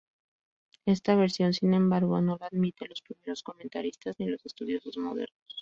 Esta versión, sin embargo, no la admiten los primeros comentaristas ni los estudiosos modernos.